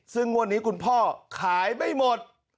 ซึ่งงวดนี้คุณพ่อขายไม่หมด